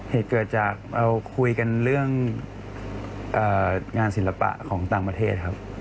เหตุเกิดจากเราคุยกันเรื่องงานศิลปะของต่างประเทศครับ